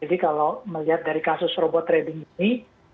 jadi kalau melihat dari kasus robot trading ini